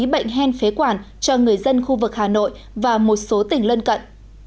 bệnh hen phế quản cho người dân khu vực hà nội và một số tỉnh lân cận